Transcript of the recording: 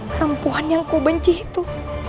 perempuan yang kau benci itu